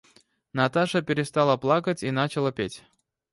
Наташа перестала плакать и начала петь.